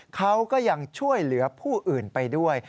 เขาก็ยังช่วยเหลือผู้อื่นไปด้วย